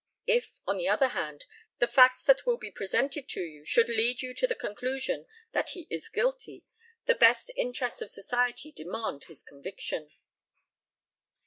If, on the other hand, the facts that will be presented to you should lead you to the conclusion that he is guilty, the best interests of society demand his conviction.